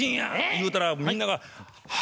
言うたらみんなが「ははぁ！」